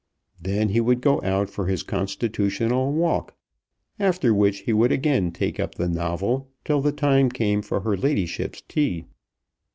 Then he would go out for his constitutional walk, after which he would again take up the novel till the time came for her ladyship's tea.